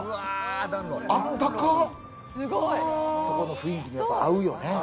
やっぱ雰囲気に合うよね。